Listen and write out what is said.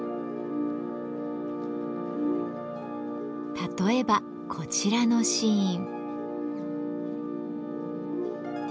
例えばこちらのシーン。